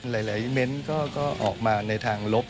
หลายเม้นต์ก็ออกมาในทางลบ